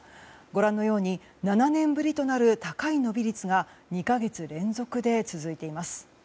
ご覧のように７年ぶりとなる高い伸び率が２か月連続で続いています。